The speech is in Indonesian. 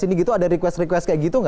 sini gitu ada request request kayak gitu gak